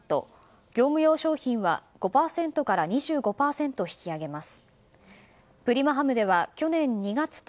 業務用商品は５％から２５％引き上げます。